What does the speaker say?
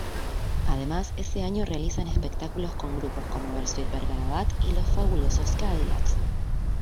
Además, ese año realizan espectáculos con grupos como Bersuit Vergarabat y Los Fabulosos Cadillacs.